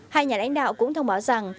hai nhà đánh đạo cũng thông báo rằng